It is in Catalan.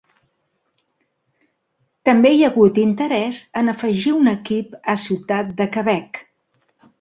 També hi ha hagut interès en afegir un equip a Ciutat de Quebec.